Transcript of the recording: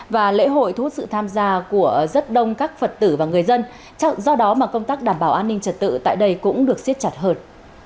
và lễ hội thu hút sự tham gia của rất đông các phật tử và người dân do đó mà công tác đảm bảo an ninh trật tự tại đây cũng được xiết chặt hơn